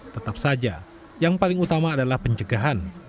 tetap saja yang paling utama adalah pencegahan